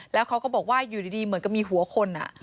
แล้วเขาก็บอกว่าอยู่ดีเหมือนกับมีหัวคน